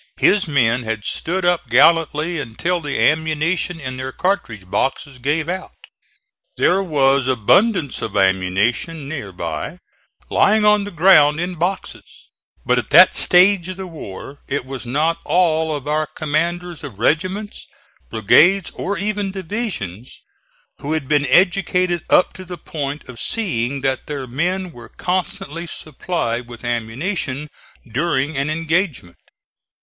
His men had stood up gallantly until the ammunition in their cartridge boxes gave out. There was abundance of ammunition near by lying on the ground in boxes, but at that stage of the war it was not all of our commanders of regiments, brigades, or even divisions, who had been educated up to the point of seeing that their men were constantly supplied with ammunition during an engagement.